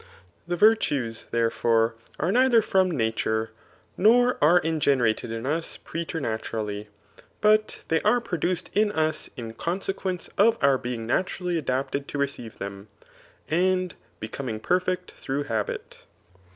The virtues, therefore, are neither from nature, nor are ingenerated in us pretenu^uralty ; but they are produced in us in consequence of our being naturally adapted to receive them, and becoming perfect through habif.